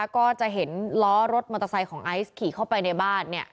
ของไอซ์ขี่เข้าไปในบ้านเนี่ย